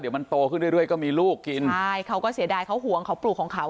เดี๋ยวมันโตขึ้นเรื่อยก็มีลูกกินใช่เขาก็เสียดายเขาห่วงเขาปลูกของเขา